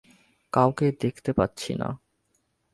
কাউকে দেখতে পাচ্ছিনা।